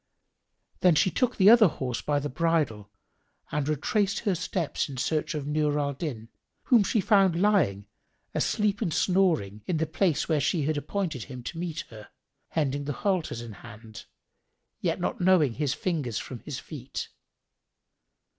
Then she took the other horse by the bridle and retraced her steps in search of Nur al Din, whom she found lying, asleep and snoring, in the place where she had appointed him to meet her, hending the halters in hand, yet knowing not his fingers from his feet.